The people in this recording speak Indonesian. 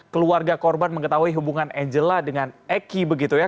keluarga korban mengetahui hubungan angela dengan eki begitu ya